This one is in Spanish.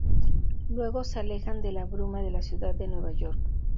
Luego se alejan de la bruma de la ciudad de Nueva York.